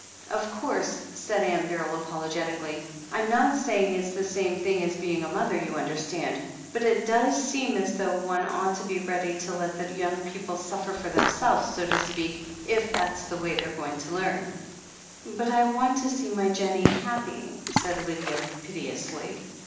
Of course," said Aunt Beryl apologetically, "I'm not saying it's the same thing as being a mother, you understand — ^but it does seem as though one ought to be ready to let the young people suffer for themselves, so to speak, if that's the way they're going to learn." "But I want to see my Jennie happy," said Lydia piteously.